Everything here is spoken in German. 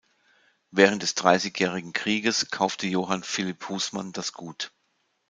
Während des Dreißigjährigen Krieges kaufte Johann Philipp Husmann das Gut.